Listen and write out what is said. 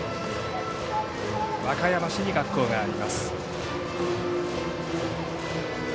和歌山市に学校があります。